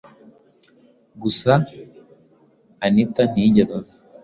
gusa anita ntiyigeze aza,